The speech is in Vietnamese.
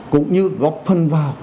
cũng như góp phân vào